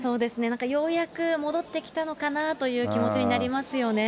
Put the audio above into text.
なんかようやく戻ってきたのかなという気持ちになりますよね。